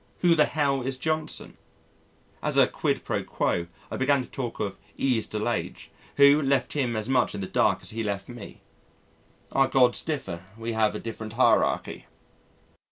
Who the Hell is Johnson? As a quid pro quo I began to talk of Yves Delage, which left him as much in the dark as he left me. Our Gods differ, we have a different hierarchy.